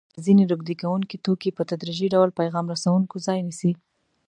ځیني روږدي کوونکي توکي په تدریجي ډول پیغام رسوونکو ځای نیسي.